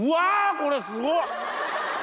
これすごっ！